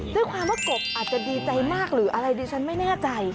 ด้วยความว่ากบอาจจะดีใจมากหรืออะไรดิฉันไม่แน่ใจ